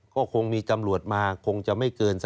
ก็คงมีตำรวจมาคงจะไม่เกิน๓๐